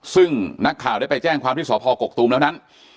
ซึ่งนักข่าวได้ไปแจ้งความที่สพกกตูมแล้วนั้น